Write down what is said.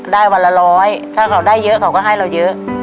วันละร้อยถ้าเขาได้เยอะเขาก็ให้เราเยอะ